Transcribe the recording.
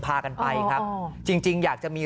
พากันไปครับจริงอยากจะมี